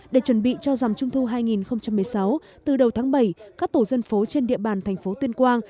để chuẩn bị cho dằm trung thu hai nghìn một mươi sáu từ đầu tháng bảy các tổ dân phố trên địa bàn thành phố tuyên quang